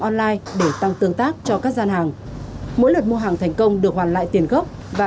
online để tăng tương tác cho các gian hàng mỗi lượt mua hàng thành công được hoàn lại tiền gốc và